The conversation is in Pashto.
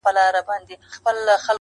خاموسي لا هم قوي ده تل,